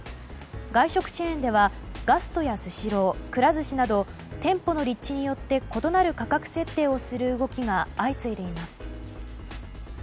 外食チェーンではガストやスシロー、くら寿司など店舗の立地によって異なる価格設定をする動きが相次いでいます。